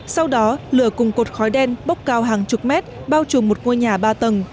sau đó lửa cùng cột khói đen bốc cao hàng chục mét bao trùm một ngôi nhà ba tầng